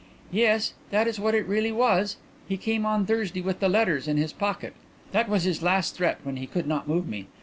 "Yes, that is what it really was. He came on Thursday with the letters in his pocket. That was his last threat when he could not move me.